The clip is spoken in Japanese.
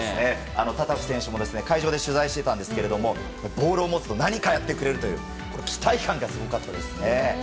タタフ選手も会場で取材してたんですけどボールを持つと何かをやってくれるという期待感がすごかったです。